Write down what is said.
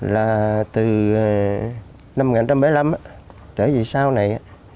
là từ năm một nghìn chín trăm bảy mươi năm tới vì sau này